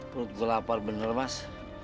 penut gue lapar bener mas